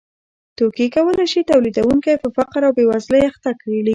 توکي کولای شي تولیدونکی په فقر او بېوزلۍ اخته کړي